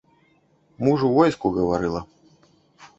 Муж у войску, гаварыла.